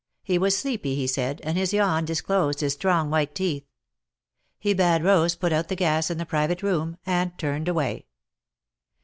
He was sleepy, he said, and his yawn disclosed his strong white teeth. He bade Rose put out the gas in the private room, and turned away.